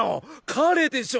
彼でしょ！